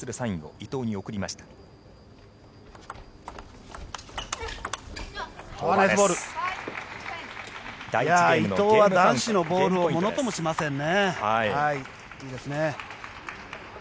伊藤は男子のボールをものともしませんね。